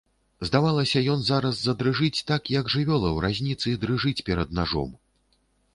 Здавалася, ён зараз задрыжыць так, як жывёла ў разніцы дрыжыць перад нажом.